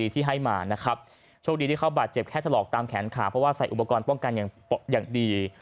ถลอกตามแขนขาเพราะว่าใส่อุปกรณ์ป้องกันอย่างดี